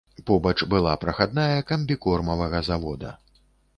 Побач была прахадная камбікормавага завода.